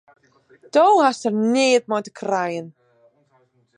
Do hast der neat mei te krijen!